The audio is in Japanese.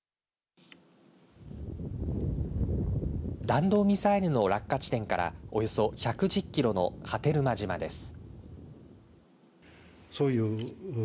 弾道ミサイルの落下地点からおよそ１１０キロの波照間島です。